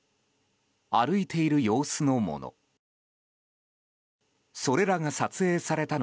歩いている様子のもの。